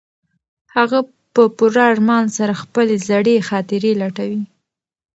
هغه په پوره ارمان سره خپلې زړې خاطرې لټوي.